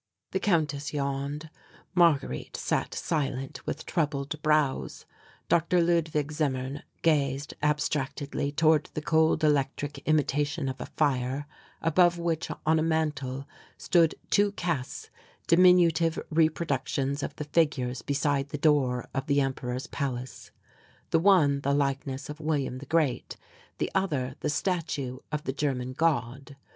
The Countess yawned; Marguerite sat silent with troubled brows; Dr. Ludwig Zimmern gazed abstractedly toward the cold electric imitation of a fire, above which on a mantle stood two casts, diminutive reproductions of the figures beside the door of the Emperor's palace, the one the likeness of William the Great, the other the Statue of the German God.